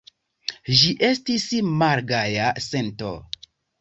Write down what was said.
Ĝi estis malgaja sento.